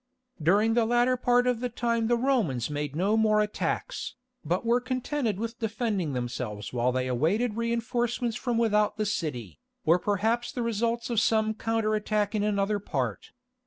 During the latter part of the time the Romans made no more attacks, but were contented with defending themselves while they awaited reinforcements from without the city, or perhaps the results of some counter attack in another part.